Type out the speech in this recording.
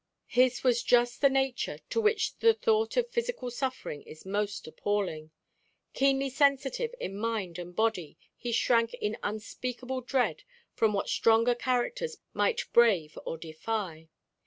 His was just the nature to which the thought of physical suffering is most appalling. Keenly sensitive in mind and body, he shrank in unspeakable dread from what stronger characters might brave or defy.